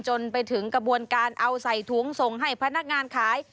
จนไปถึงกระบวนการเอาใส่ถุงส่งให้พนักงานขาย